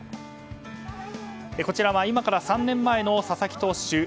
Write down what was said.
こちらは今から３年前の佐々木投手